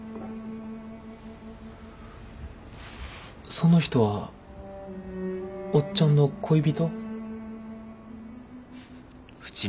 その人はおっちゃんの恋人？